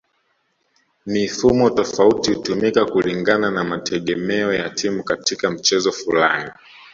Mifumo tofauti hutumika kulingana na mategemeo ya timu katika mchezo fulani